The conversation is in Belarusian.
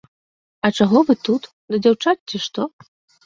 А чаго вы тут, да дзяўчат, ці што?